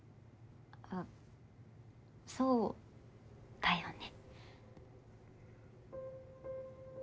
あっそうだよね。